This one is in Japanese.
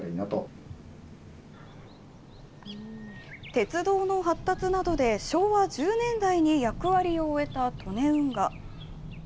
鉄道の発達などで、昭和１０年代に役割を終えた利根運河。